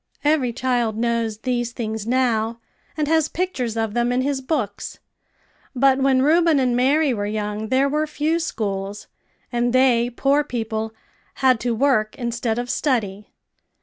Every child knows these things now, and has pictures of them in his books; but when Reuben and Mary were young there were few schools; and they, poor people, had to work instead of study.